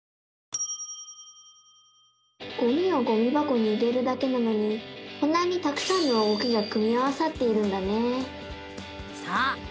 ゴミをゴミばこに入れるだけなのにこんなにたくさんの動きが組み合わさっているんだね！